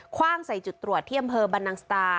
ว่างใส่จุดตรวจที่อำเภอบรรนังสตา